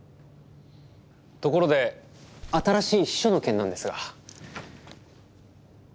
ところで新しい秘書の件なんですが。